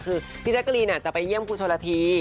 คือพี่แจ๊กกะรีนจะไปเยี่ยมครูชนละที